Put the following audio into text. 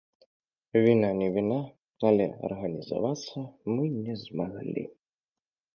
Віна не віна, але арганізавацца мы не змаглі.